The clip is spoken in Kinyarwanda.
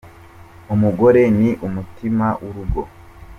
Umugore ni umutima w'urugo